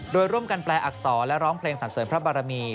โดยร่วมกันแปลอักษรและร้องเพลงสรรเสริมพระบารมี